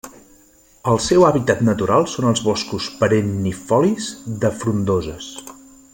El seu hàbitat natural són els boscos perennifolis de frondoses.